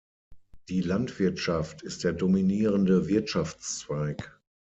Die Landwirtschaft ist der dominierende Wirtschaftszweig.